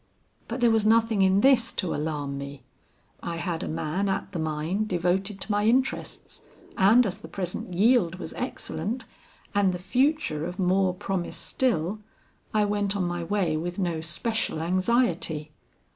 But there was nothing in this to alarm me. I had a man at the mine devoted to my interests; and as the present yield was excellent, and the future of more promise still, I went on my way with no special anxiety.